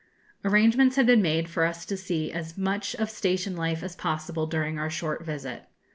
Arrangements had been made for us to see as much of station life as possible during our short visit.